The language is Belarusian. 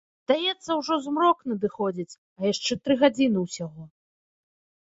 Здаецца, ужо змрок надыходзіць, а яшчэ тры гадзіны ўсяго.